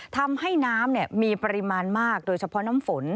ทำให้น้ำมีปริมาณมากโดยเฉพาะน้ำฝน